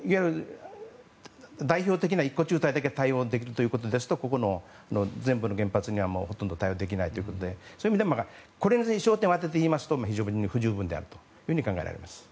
代表的な１個中隊だけ対応するということになると全部の原発にはほとんど対応できないのでそういう意味でこれだけに焦点を当てて言いますと非常に不十分であると考えます。